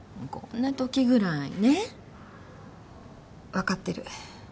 分かってる。